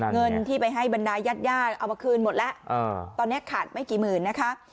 เงินที่ไปให้บรรดายาดเอามาคืนหมดแล้วตอนนี้ขาดไม่กี่หมื่นนะคะ